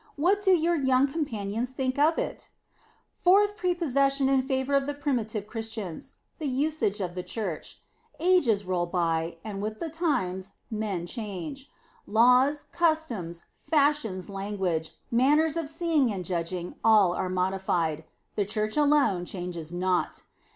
What do your young companions think of it? 48 The Sign of tJie Cross Fourth prepossession in favor of the primi tive Christians: The^ usage of the Church. Ages roll by, and with the times, men change. Laws, customs, fashions, language, manners of seeing and judging, all are modified. The Church alone changes not.